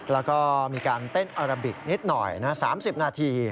แล้วก็มีการเต้นอาราบิกนิดหน่อย๓๐นาที